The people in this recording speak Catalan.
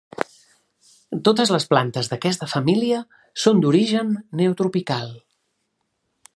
Totes les plantes d'aquesta família són d'origen neotropical.